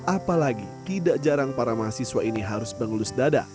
apalagi tidak jarang para mahasiswa ini harus mengelus dada